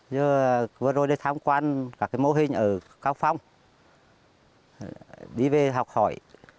vừa rồi tham quan các mô hình ở cao phong đi về học hỏi